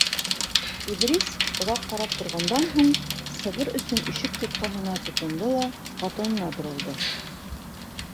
Иҙрис, оҙаҡ ҡарап торғандан һуң, сығыр өсөн ишек тотҡаһына тотондо ла ҡатынына боролдо: